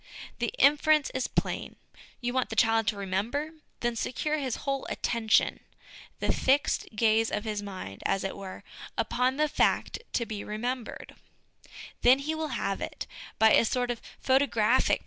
The inference is plain. You want the child to remember? Then secure his whole attention, the fixed gaze of his mind, as it were, upon the fact to be remembered ; then he will have it: by a sort of photographic